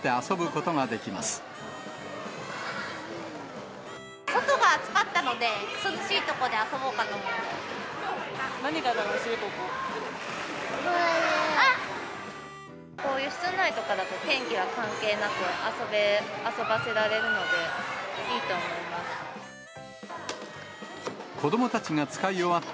こういう室内とかだと、天気に関係なく、遊ばせられるので、いいと思います。